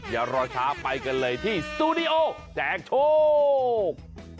อย่ารอช้าไปกันเลยที่สตูดิโอแจกโชค